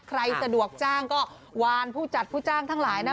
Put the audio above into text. สะดวกจ้างก็วานผู้จัดผู้จ้างทั้งหลายนะ